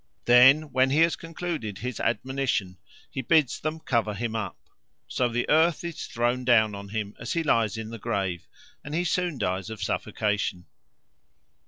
Then, when he has concluded his admonition, he bids them cover him up. So the earth is thrown down on him as he lies in the grave, and he soon dies of suffocation.